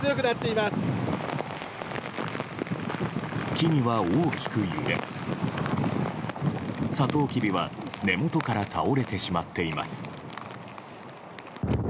木々は大きく揺れサトウキビは根元から倒れてしまっています。